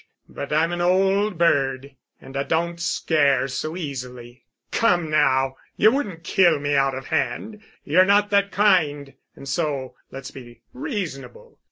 But I'm an old bird, and I don't scare so easily. Come now. Ye wouldn't kill me out of hand. Ye're not that kind. And so—let's be reasonable.